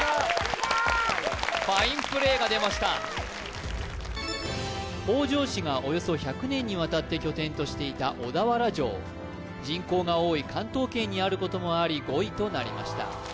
さすが北条氏がおよそ１００年にわたって拠点としていた小田原城人口が多い関東圏にあることもあり５位となりました